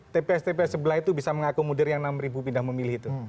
tps tps sebelah itu bisa mengakomodir yang enam ribu pindah memilih itu